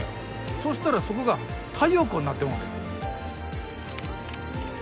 そしたらそこが太陽光になってもうて。